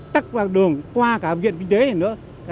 tắt đoàn đường qua cả viện kinh tế này